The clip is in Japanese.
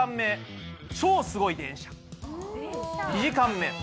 １時間目